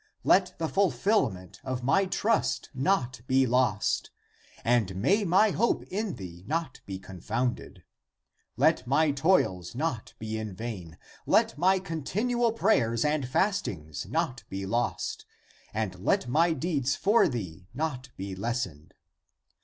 Let the fulfillment of my trust not be lost, and may my hope in thee not be confounded ! Let my toils not be in vain ! Let my continual prayers and fastings not be lost, and let my deeds for thee not be lessened